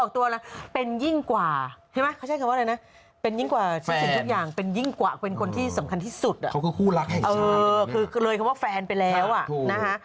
คือเลยคำว่าแฟนไปแล้วนะคะ